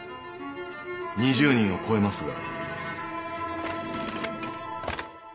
２０人を超えますが。